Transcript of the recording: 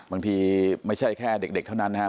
ไม่ใช่แค่เด็กเท่านั้นนะครับ